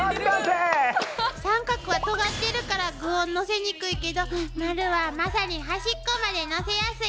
三角はとがってるから具をのせにくいけど丸はまさに端っこまでのせやすい。